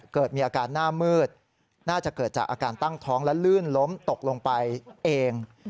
เกิดมีอาการหน้ามืดน่าจะเกิดจากอาการตั้งท้องและลื่นล้มตกลงไปเอง